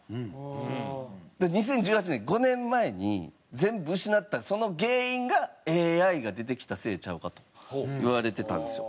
２０１８年５年前に全部失ったその原因がＡＩが出てきたせいちゃうか？といわれてたんですよ。